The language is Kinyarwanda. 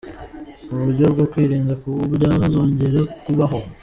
mu buryo bwo kwirinda ko byazongera kubaho